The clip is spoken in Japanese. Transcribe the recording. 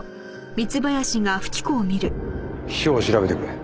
秘書を調べてくれ。